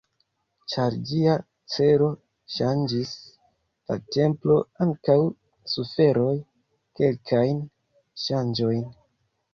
Ĉar ĝia celo ŝanĝis la templo ankaŭ suferoj kelkajn ŝanĝojn.